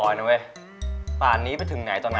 ชื่อฟอยแต่ไม่ใช่แฟง